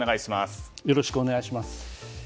よろしくお願いします。